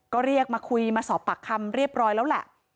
ก็เรียกมาคุยมาสอบปากคำเรียบร้อยแล้วแหละ